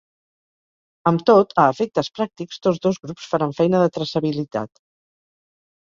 Amb tot, a efectes pràctics tots dos grups faran feina de traçabilitat.